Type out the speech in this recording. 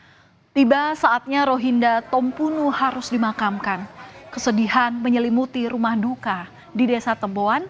hai tiba saatnya rohinda tompunu harus dimakamkan kesedihan menyelimuti rumah duka di desa temboan